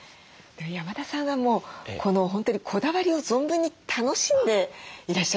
山田さんがもう本当にこだわりを存分に楽しんでいらっしゃいますね。